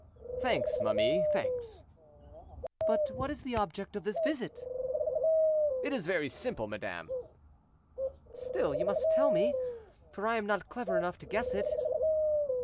"Thanks, ma mie, thanks." "But what is the object of this visit?" "It is very simple, madame." "Still, you must tell me, for I am not clever enough to guess it."